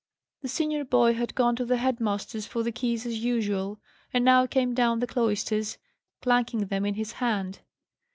The senior boy had gone to the head master's for the keys as usual, and now came down the cloisters, clanking them in his hand.